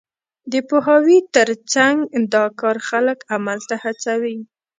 د پوهاوي تر څنګ، دا کار خلک عمل ته هڅوي.